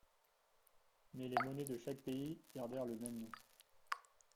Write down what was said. Mais les monnaies de chaque pays gardèrent le même nom.